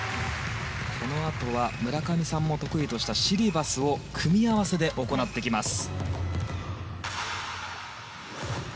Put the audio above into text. このあとは村上さんも得意としたシリバスを組み合わせで行ってきます。